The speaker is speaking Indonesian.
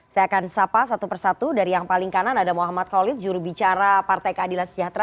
saya akan sapa satu persatu dari yang paling kanan ada muhammad khalid jurubicara partai keadilan sejahtera